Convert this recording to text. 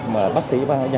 mà bác sĩ